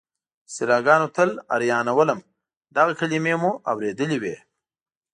اصطلاحګانو تل حیرانولم، دغه کلیمې مو اورېدلې وې.